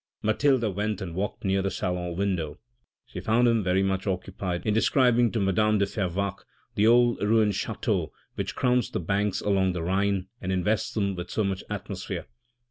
Mathilde went and walked near the salon window. She found him very much occupied in describing to madame de Fervaques the old ruined chateau which crown the banks along the Rhine and invest them with so much atmosphere.